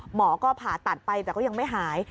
หมอก็ผ่าตัดไปแต่ก็ยังไม่หาย